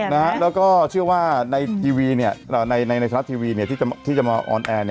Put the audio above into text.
แล้วก็เชื่อว่าในทีวีในไทยรัฐทีวีที่จะมาออนแอร์